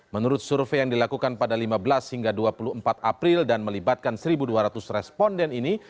menurut survei yang dilakukan pada lima belas hingga dua puluh empat april dan melibatkan satu dua ratus responden ini